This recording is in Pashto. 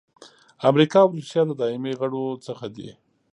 امریکا او روسیه د دایمي غړو څخه دي.